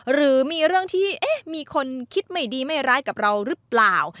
หรือมีเรื่องที่มีคนคิดไม่ดีไม่ร้ายกับเราหรือเปล่า